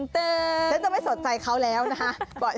ฉันจะไม่สนใจเขาแล้วนะคะ